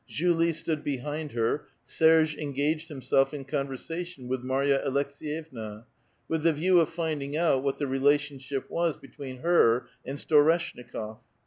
Julie stood behind her ; Serge engaged himself in conversation with Marya Alekseyevna, with the view of finding out what the relationship was between her and Storeshnikof.